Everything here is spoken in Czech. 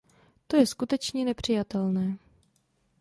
To je skutečně nepřijatelné.